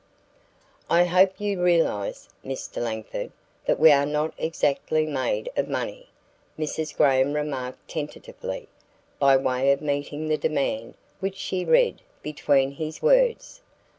"I hope you realize, Mr. Langford, that we are not exactly made of money," Mrs. Graham remarked tentatively by way of meeting the demand which she read between his words.